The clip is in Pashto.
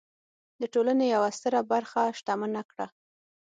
د ټولنې یوه ستره برخه شتمنه کړه.